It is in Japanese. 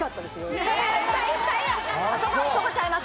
「そこちゃいます。